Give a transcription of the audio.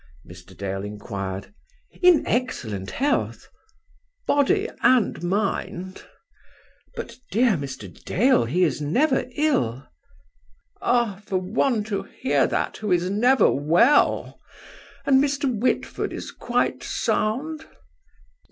Mr. Dale inquired. "In excellent health." "Body and mind?" "But, dear Mr. Dale, he is never ill." "Ah! for one to hear that who is never well! And Mr. Whitford is quite sound?"